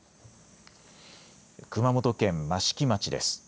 熊本県益城町です。